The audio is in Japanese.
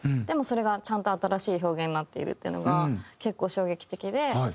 でもそれがちゃんと新しい表現になっているっていうのが結構衝撃的で。